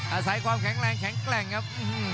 อาศัยความแข็งแรงแข็งแกร่งครับ